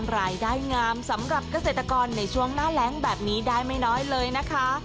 รายได้งามสำหรับเกษตรกรในช่วงหน้าแรงแบบนี้ได้ไม่น้อยเลยนะคะ